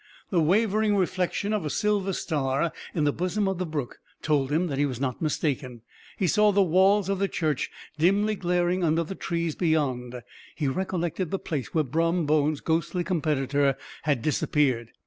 The wavering reflection of a silver star in the bosom of the brook told him that he was not mistaken. He saw the walls of the church dimly glaring under the trees beyond. He recollected the place where Brom Bones's ghostly competitor had disappeared.